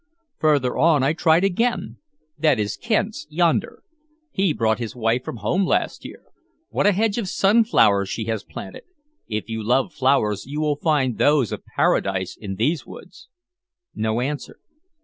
Further on I tried again. "That is Kent's, yonder. He brought his wife from home last year. What a hedge of sunflowers she has planted! If you love flowers, you will find those of paradise in these woods." No answer.